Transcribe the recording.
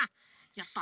やった！